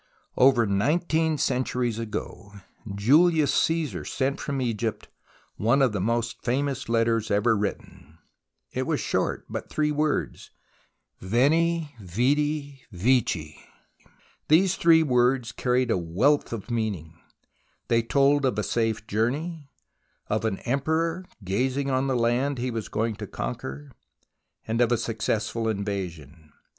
Over nineteen centuries ago, Julius Caesar sent from Egypt one of the most famous letters ever written. It was short, but three words :" Veni, Vedi, Veci." These three words carried a wealth of meaning. They told of a safe journey, of an emperor gazing on the land he was going to conquer, of a successful invasion.